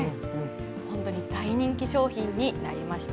本当に大人気商品になりました。